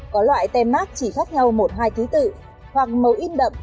có loại tem mát chỉ khác nhau một hai thứ tự hoặc màu in đậm